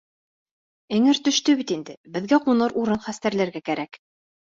Эңер төштө бит инде, беҙгә ҡуныр урын хәстәрләргә кәрәк.